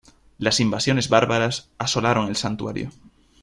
Las invasiones bárbaras asolaron el santuario.